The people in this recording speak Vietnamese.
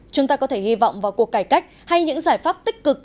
chúng ta có thể hy vọng vào cuộc cải cách hay những giải pháp tích cực